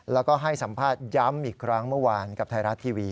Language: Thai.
แล้วก็ให้สัมภาษณ์ย้ำอีกครั้งเมื่อวานกับไทยรัฐทีวี